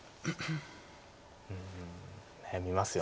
うん悩みますよね